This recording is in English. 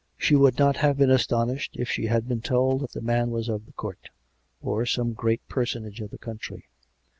She would not have been astonished if she had been told that the man was of the court, or some great personage of the country.